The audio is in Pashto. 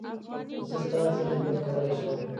زه ستا څه خدمت کولی شم؟